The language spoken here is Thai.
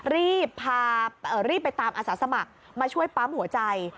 รีบพารีบไปตามอาสาสมัครมาช่วยปั๊มหัวใจ